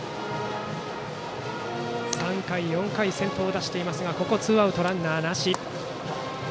３回、４回は先頭を出していますがここはツーアウトランナーなし。